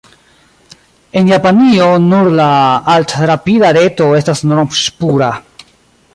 En Japanio nur la alt-rapida reto estas norm-ŝpura.